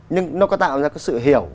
nhưng nó có tạo ra sự hiểu